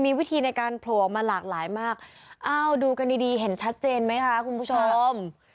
มีวิธีในการโผล่ออกมาหลากหลายมากอ้าวดูกันดีดีเห็นชัดเจนไหมคะคุณผู้ชม